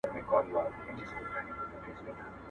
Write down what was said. دې مړۍ ته د ګیدړ ګېډه جوړيږي.